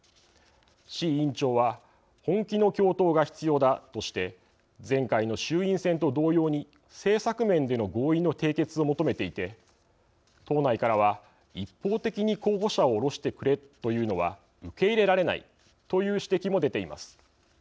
志位委員長は本気の共闘が必要だとして前回の衆院選と同様に政策面での合意の締結を求めていて党内からは一方的に候補者を降ろしてくれというのは受け入れられないという指摘も出ています。